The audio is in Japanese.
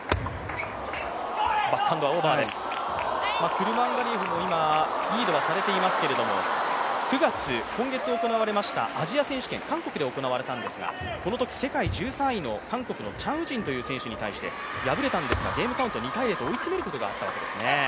クルマンガリエフも今リードはされていますが９月、今月行われましたアジア選手権韓国で行われたんですがこのとき、世界１３位の韓国のチャン・ウジンという選手に敗れたんですがゲームカウント２−０と追い詰めるところがあったんですね。